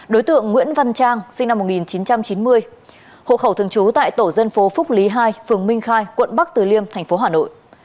đối tượng nguyễn văn trang sinh năm một nghìn chín trăm chín mươi hộ khẩu thường trú tại tổ dân phố phúc lý hai phường minh khai quận bắc từ liêm thành phố hà nội